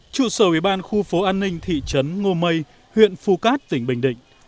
trụ sở ủy ban khu phố an ninh thị trấn ngô mây huyện phu cát tỉnh bình định